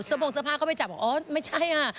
เสื้อโพงเสื้อผ้าเข้าไปจับอ๋อไม่ใช่อ่ะ